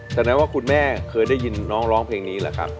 แสดงว่าคุณแม่เคยได้ยินน้องร้องเพลงนี้หรือครับ